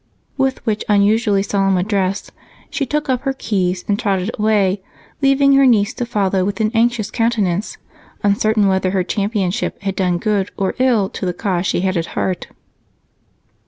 With which unusually solemn address she took up her keys and trotted away, leaving her niece to follow with an anxious countenance, uncertain whether her championship had done good or ill to the cause she had at heart.